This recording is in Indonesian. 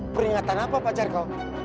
peringatan apa pak jarko